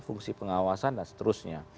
fungsi pengawasan dan seterusnya